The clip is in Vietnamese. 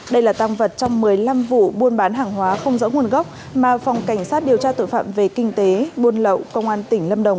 đây là tăng vật trong một mươi năm vụ buôn bán hàng hóa không rõ nguồn gốc mà phòng cảnh sát điều tra tội phạm về kinh tế buôn lậu công an tỉnh lâm đồng